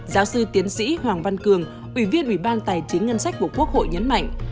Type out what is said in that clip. giáo sư tiến sĩ hoàng văn cường ủy viên ủy ban tài chính ngân sách của quốc hội nhấn mạnh